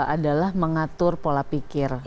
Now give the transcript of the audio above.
adalah mengatur pola pikir